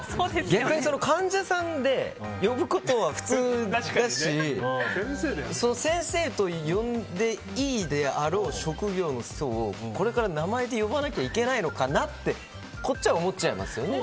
逆に、患者さんでそう呼ぶのは普通だし先生と呼んでいいであろう職業の人をこれから名前で呼ばなきゃいけないのかなってこっちは思っちゃいますよね。